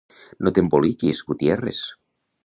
No t'emboliquis, Gutiérrez!